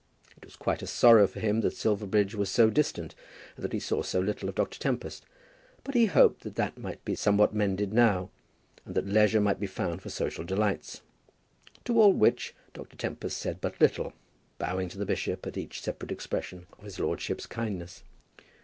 It was quite a sorrow to him that Silverbridge was so distant, and that he saw so little of Dr. Tempest; but he hoped that that might be somewhat mended now, and that leisure might be found for social delights; to all which Dr. Tempest said but little, bowing to the bishop at each separate expression of his lordship's kindness.